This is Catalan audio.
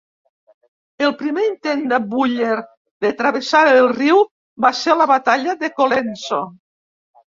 El primer intent de Buller de travessar el riu va ser la Batalla de Colenso.